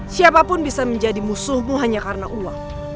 siapapun bisa menjadi musuhmu hanya karena uang